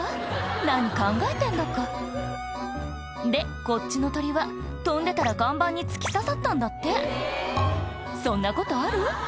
何考えてんだかでこっちの鳥は飛んでたら看板に突き刺さったんだってそんなことある？